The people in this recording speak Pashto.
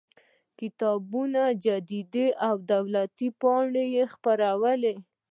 کتابونه جریدې او دولتي پاڼې یې خپرولې.